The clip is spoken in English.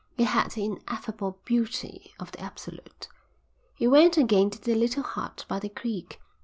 It had the ineffable beauty of the Absolute. He went again to the little hut by the creek.